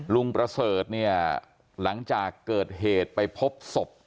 ประเสริฐเนี่ยหลังจากเกิดเหตุไปพบศพ